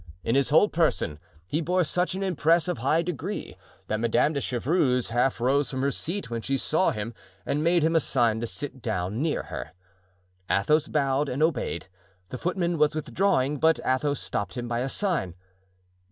In his whole person he bore such an impress of high degree, that Madame de Chevreuse half rose from her seat when she saw him and made him a sign to sit down near her. Athos bowed and obeyed. The footman was withdrawing, but Athos stopped him by a sign.